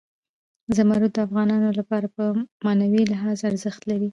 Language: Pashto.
زمرد د افغانانو لپاره په معنوي لحاظ ارزښت لري.